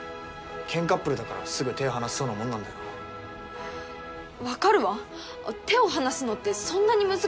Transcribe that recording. ケンカップルだからすぐ手放せそうなもんなんだよなわかるわ手を放すのってそんなに難しいこと？